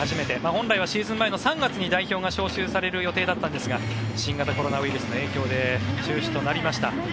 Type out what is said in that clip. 本来はシーズン前の３月に代表が招集される予定でしたが新型コロナウイルスの影響で中止となりました。